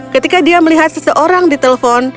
ketika dia melihat seseorang di telepon